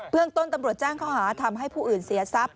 เรื่องต้นตำรวจแจ้งข้อหาทำให้ผู้อื่นเสียทรัพย